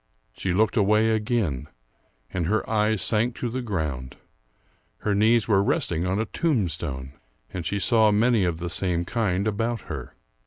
She looked away again, and her eyes sank to the ground. Her knees were resting on a tombstone, and she saw many of the same kind about her.